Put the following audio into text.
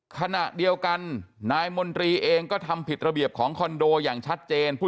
ขณะเดียวกันนายมนตรีเองก็ทำผิดระเบียบของคอนโดอย่างชัดเจน